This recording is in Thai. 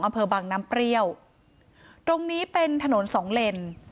อำเภอบางน้ำเปรี้ยวตรงนี้เป็นถนนสองเลน